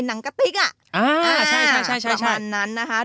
นางกะติ๊กอ่ะอ่าใช่ใช่ใช่ใช่ประมาณนั้นนะคะครับผม